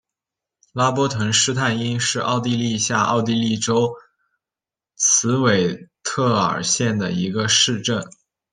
拉波滕施泰因是奥地利下奥地利州茨韦特尔县的一个市镇。